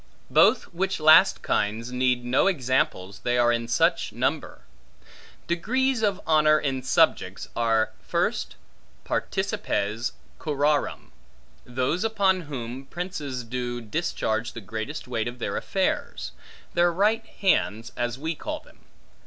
Both which last kinds need no examples, they are in such number. Degrees of honor, in subjects, are, first participes curarum, those upon whom, princes do discharge the greatest weight of their affairs; their right hands, as we call them.